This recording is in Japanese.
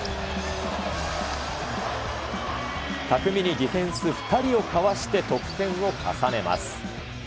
巧みにディフェンス２人をかわして得点を重ねます。